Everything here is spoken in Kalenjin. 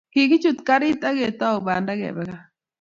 Kikichut garit ak ketou banda kebe gaa